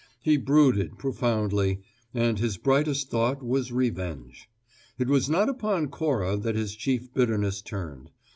He brooded profoundly and his brightest thought was revenge. It was not upon Cora that his chief bitterness turned.